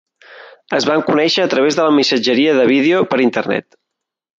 Es van conèixer a través de la missatgeria de vídeo per Internet.